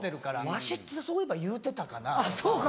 「わし」ってそういえば言うてたかな？とか。